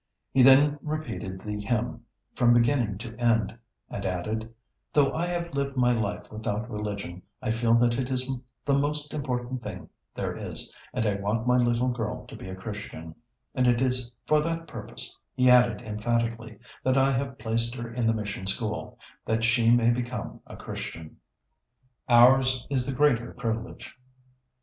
He then repeated the hymn from beginning to end, and added, 'Though I have lived my life without religion, I feel that it is the most important thing there is, and I want my little girl to be a Christian; and it is for that purpose,' he added emphatically, 'that I have placed her in the mission school, that she may become a Christian.'" [Sidenote: Ours is the greater privilege.